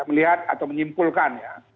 melihat atau menyimpulkan ya